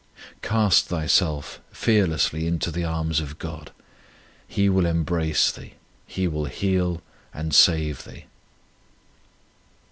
Cast thyself fearlessly into the arms of God. He will embrace thee, He will heal and save thee.